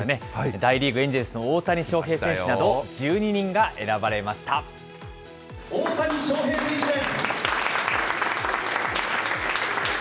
大リーグ・エンジェルスの大谷翔平選手など、１２人が選ばれまし大谷翔平選手です。